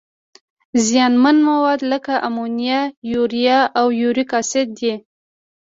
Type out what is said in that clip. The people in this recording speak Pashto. زیانمن مواد لکه امونیا، یوریا او یوریک اسید دي.